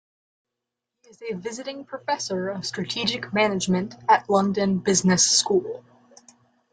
He is a visiting Professor of Strategic Management at London Business School.